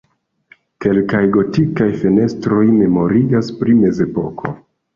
Kelkaj gotikaj fenestroj memorigas pri mezepoko.